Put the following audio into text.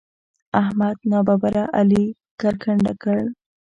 احمد ناببره علي کرکنډه کړ.